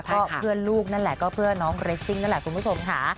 ก็เพื่อนลูกนั่นแหละก็เพื่อน้องเรสซิ่งนั่นแหละคุณผู้ชมค่ะ